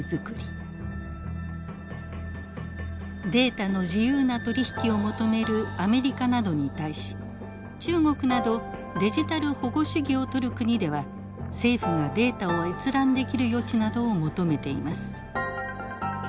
データの自由な取り引きを求めるアメリカなどに対し中国などデジタル保護主義をとる国では政府がデータを閲覧できる余地などを求めています。